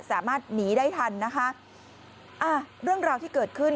สามารถหนีได้ทันนะคะอ่าเรื่องราวที่เกิดขึ้น